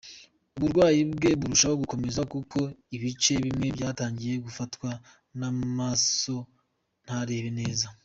Uburwayi bwe burushaho gukomera kuko ibice bimwe byatangiye gufatwa n’amaso ntareba neza.